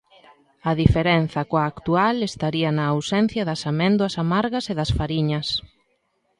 A diferenza coa actual estaría na ausencia das améndoas amargas e das fariñas.